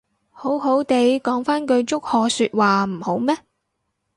好好哋講返句祝賀說話唔好咩